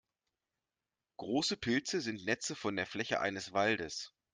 Große Pilze sind Netze von der Fläche eines Waldes.